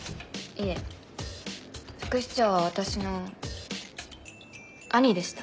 いえ副市長は私の兄でした。